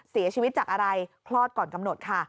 เสียชีวิตจากอะไรคลอดก่อนกำหนดค่ะ